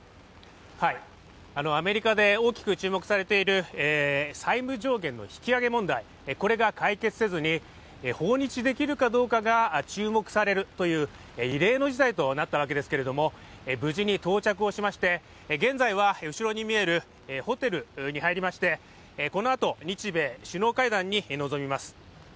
アメリカで大きく注目されている債務上限の引き上げ問題、これが解決せずに訪日できるかどうかが注目されるという異例の事態となったわけですけれども、無事に到着をしまして、現在は後ろに見えるホテルに入りましてこのあと、日米首脳会談に臨みます。